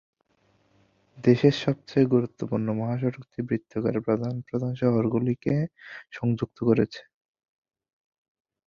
দেশের সবচেয়ে গুরুত্বপূর্ণ মহাসড়কটি বৃত্তাকারে প্রধান প্রধান শহরগুলিকে সংযুক্ত করেছে।